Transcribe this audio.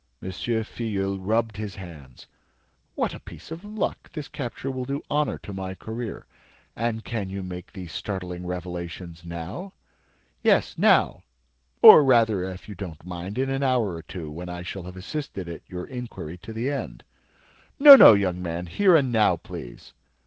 Filleul rubbed his hands. "What a piece of luck! This capture will do honor to my career. And can you make me these startling revelations now?" "Yes, now—or rather, if you do not mind, in an hour or two, when I shall have assisted at your inquiry to the end." "No, no, young man, here and now, please."